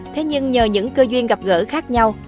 thế nhưng nhờ những cơ duyên gặp gỡ khác nhau